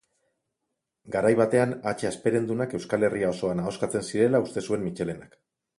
Garai batean hatxe hasperendunak Euskal Herria osoan ahoskatzen zirela uste zuen Mitxelenak.